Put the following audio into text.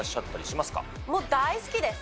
もう大好きです。